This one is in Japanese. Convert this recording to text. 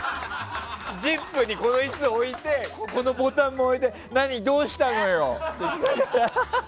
「ＺＩＰ！」にこの椅子を置いてこのボタンも置いて何、どうしたのよ？って。